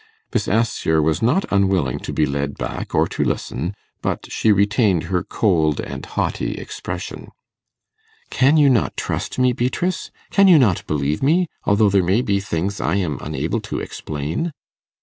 Miss Assher was not unwilling to be led back or to listen, but she retained her cold and haughty expression. 'Can you not trust me, Beatrice? Can you not believe me, although there may be things I am unable to explain?